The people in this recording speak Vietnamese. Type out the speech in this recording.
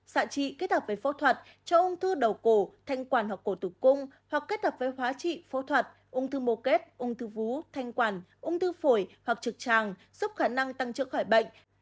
xạ trị kết hợp với phẫu thuật cho ung thư đầu cổ thanh quản hoặc cổ tử cung hoặc kết hợp với hóa trị phẫu thuật ung thư mô kết ung thư vú thanh quản ung thư phổi hoặc trực tràng giúp khả năng tăng trưởng khỏi bệnh